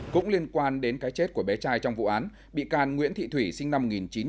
cũng liên quan đến cái chết của bé trai trong vụ án bị can nguyễn thị thủy sinh năm một nghìn chín trăm tám mươi